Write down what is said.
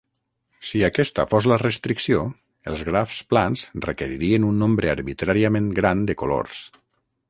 Si aquesta fos la restricció, els grafs plans requeririen un nombre arbitràriament gran de colors.